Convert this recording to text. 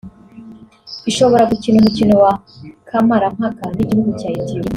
ishobora gukina umukino wa kamarampaka n’igihugu cya Ethiopia